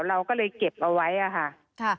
เราก็เลยเก็บเอาไว้ค่ะ